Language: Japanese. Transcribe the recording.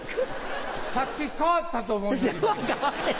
さっき変わったと思うんですが。